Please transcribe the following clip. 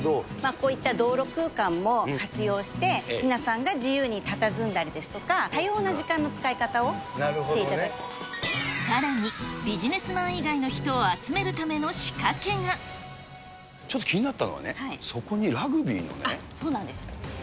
こういった道路空間も活用して、皆さんが自由にたたずんだりですとか、多様な時間の使い方をしてさらに、ビジネスマン以外のちょっと気になったのはね、そうなんです。